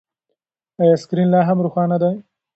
ایا سکرین لا هم روښانه دی؟